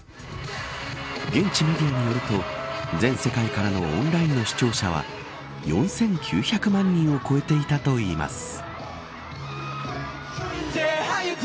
現地などによると全世界からのオンラインの視聴者は４９００万人を超えていたといいます。